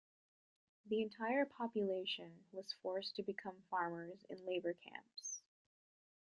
The entire population was forced to become farmers in labour camps.